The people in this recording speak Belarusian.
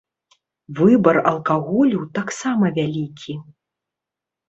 Выбар алкаголю таксама вялікі.